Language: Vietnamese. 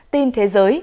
tin thế giới